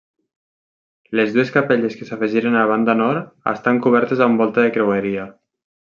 Les dues capelles que s'afegiren a la banda nord estan cobertes amb volta de creueria.